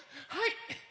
はい。